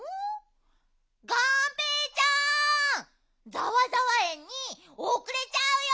ざわざわえんにおくれちゃうよ！